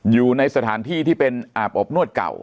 อยู่ในสถานที่ที่เป็นอาบอบนวดเก่า